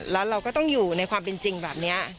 แล้วเราก็ต้องอยู่ในความเป็นจริงแบบนี้